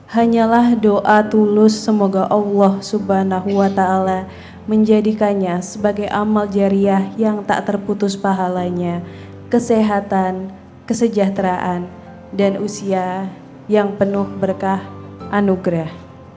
hanyalah doa tulus semoga allah swt menjadikannya sebagai amal jariah yang tak terputus pahalanya kesehatan kesejahteraan dan usia yang penuh berkah anugerah